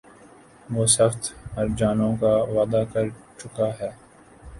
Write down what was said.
وہ سخت ہرجانوں کا وعدہ کر چُکا ہے